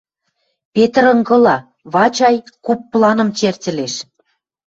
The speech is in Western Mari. Петр ынгыла: Вачай куп планым чертьӹлеш.